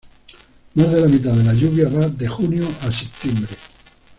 Más de la mitad de la lluvia va de junio a septiembre.